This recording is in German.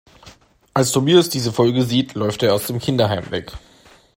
Als Tobias diese Folge sieht, läuft er aus dem Kinderheim weg.